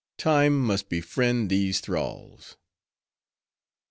—Time must befriend these thralls!"